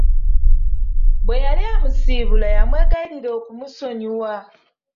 Bwe yali amusiibula yamwegayirira okumusonyiwa.